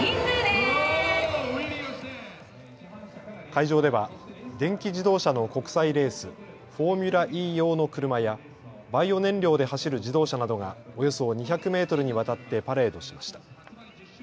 会場では電気自動車の国際レース、フォーミュラＥ用の車やバイオ燃料で走る自動車などがおよそ２００メートルにわたってパレードしました。